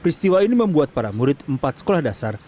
peristiwa ini membuat para murid empat sekolah dasar